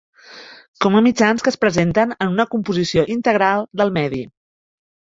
Com a mitjans que es presenten en una composició integral del medi.